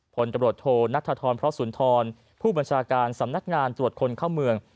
ผลตำรวจโทนัทธรพระสุนทรผู้บัญชาการสำนักงานตรวจคนเข้าเมือง